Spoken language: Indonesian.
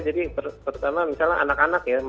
jadi pertama misalnya anak anak ya